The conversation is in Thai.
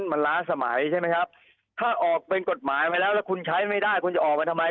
มันล้าสมัยใช่ไหมครับถ้าออกเป็นกฎหมายมาแล้วแล้วคุณใช้ไม่ได้คุณจะออกมาทำไม